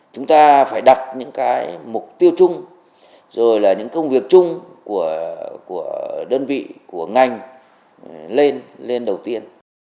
chúng ta phải đặt những cái mục tiêu chung rồi là những công việc chung của đơn vị của ngành lên lên đầu tiên